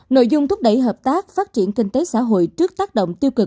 nội dung thúc đẩy hợp tác phát triển kinh tế xã hội trước tác động tiêu cực